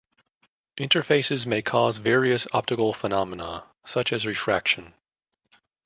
Interfaces may cause various optical phenomena, such as refraction.